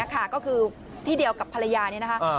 ก็คือที่เดียวกับภรรยานี่นะคะ